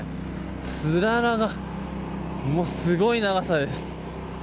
つららがもう、すごい長さです。